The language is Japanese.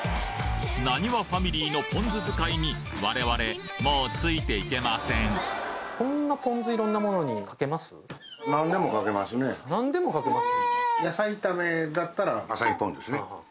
ナニワファミリーのポン酢使いに我々もうついていけません何でもかけます？